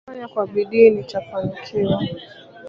Nikifanya kwa bidii nitafanikiwa.